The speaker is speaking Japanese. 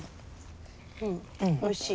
うんおいしい。